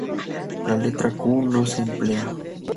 La letra "Q" no se emplea.